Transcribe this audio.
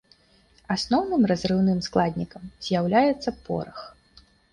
Асноўным разрыўным складнікам з'яўляецца порах.